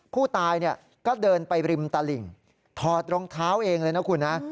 ผู้ตายก็เดินไปริมตาหลิงถอดรองเท้าเองเลยนะคุณ